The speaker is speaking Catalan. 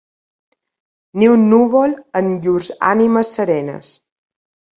Ni un núvol en llurs ànimes serenes.